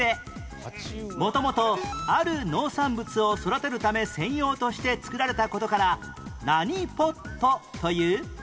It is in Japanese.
元々ある農産物を育てるため専用として作られた事から何ポットという？